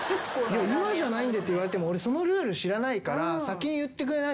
「今じゃないんで」って言われても俺そのルール知らないから先に言ってくれないと分かんないです。